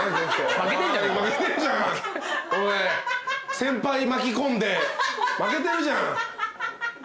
先輩巻き込んで負けてるじゃん。